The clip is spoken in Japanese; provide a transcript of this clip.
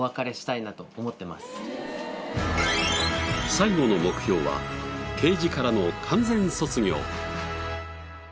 最後の目標はケージからの完全卒業。